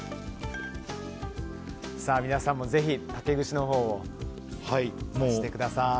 皆さんもぜひ、竹串のほうをしてください。